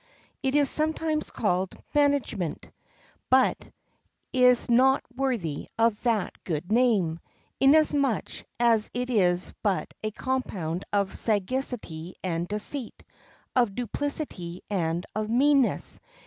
It is sometimes called management, but is not worthy of that good name, inasmuch as it is but a compound of sagacity and deceit, of duplicity and of meanness.